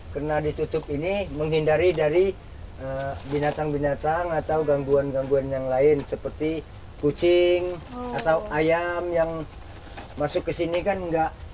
karena ditutup ini menghindari dari binatang binatang atau gangguan gangguan yang lain seperti kucing atau ayam yang masuk ke sini kan tidak